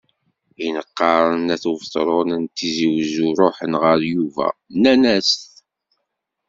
Imeqqranen n At Ubetṛun n Tizi Wezzu ṛuḥen ɣer Yuba, nnan-as-t.